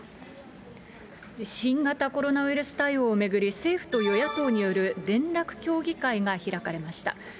新型コロナウイルス対応を巡り、政府と与野党による連絡協議会が開かれました。